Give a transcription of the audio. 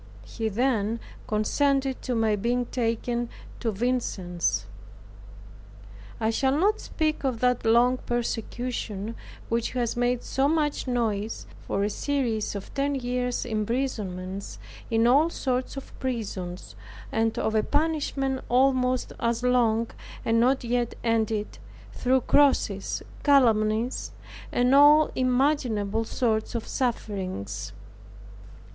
He then consented to my being taken to Vincennes. I shall not speak of that long persecution, which has made so much noise, for a series of ten years imprisonments, in all sorts of prisons, and of a banishment almost as long, and not yet ended, through crosses, calumnies, and all imaginable sorts of sufferings.